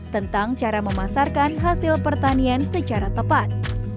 tentang cara memasarkan hasil pertanian secara tepat